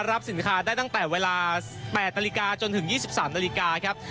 รับสินค้าได้ตั้งแต่เวลา๘นาฬิกาจนถึง๒๓นาฬิกาครับ